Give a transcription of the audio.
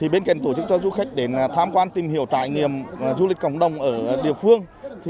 bên cạnh tổ chức cho du khách đến tham quan tìm hiểu trải nghiệm du lịch cộng đồng ở địa phương